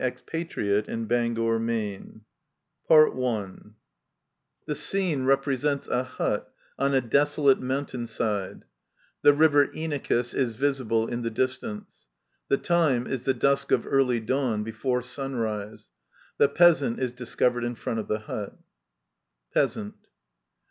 Digitized by VjOOQIC ELECTRA The sang represents a hut on a desolate mountain side ; the river Inachus is visible in the distance. The time is the dusk of early dawn^ brfore sunrise. The Peasant is discovered in front of the hut. Peasant.